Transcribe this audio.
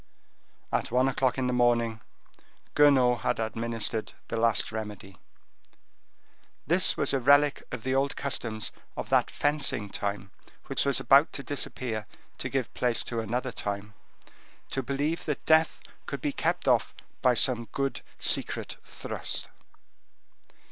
At one o'clock in the morning, Guenaud had administered the last remedy. This was a relic of the old customs of that fencing time, which was about to disappear to give place to another time, to believe that death could be kept off by some good secret thrust.